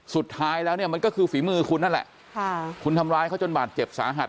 สุดท้ายแล้วเนี่ยมันก็คือฝีมือคุณนั่นแหละค่ะคุณทำร้ายเขาจนบาดเจ็บสาหัส